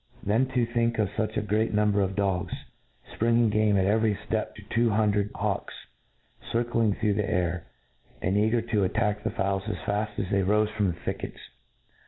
Then to think of fuch a great number of dogs, fpringing game at every ftep to two hundred hawks, ^ circling through the air, and eager to attack the fowls as faft as they rofe from the thickets.